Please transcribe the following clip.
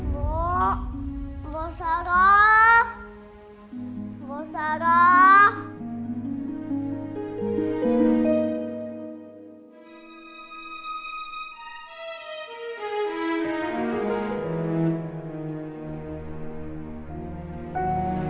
bu sarah dia